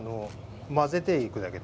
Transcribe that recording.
まぜていくだけ。